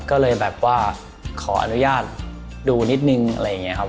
ก็เลยแบบว่าขออนุญาตดูนิดนึงอะไรอย่างนี้ครับ